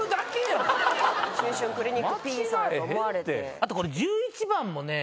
あと１１番もね。